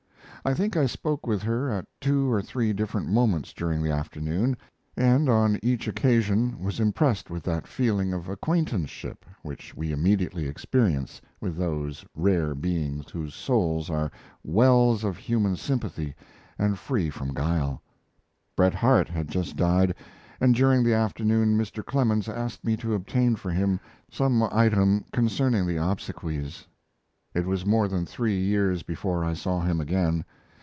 I think I spoke with her at two or three different moments during the afternoon, and on each occasion was impressed with that feeling of acquaintanceship which we immediately experience with those rare beings whose souls are wells of human sympathy and free from guile. Bret Harte had just died, and during the afternoon Mr. Clemens asked me to obtain for him some item concerning the obsequies. It was more than three years before I saw him again.